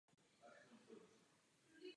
Je jedním z autorových nejlepších děl.